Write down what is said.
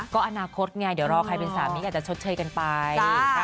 ก็อนาคตไงเดี๋ยวรอใครเป็นสามีอาจจะชดเชยกันไป